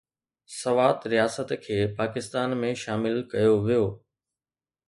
سوات رياست کي پاڪستان ۾ شامل ڪيو ويو.